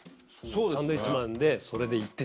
サンドウィッチマンでそれで行って。